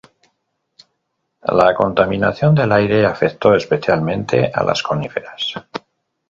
La contaminación del aire afectó especialmente a las coníferas.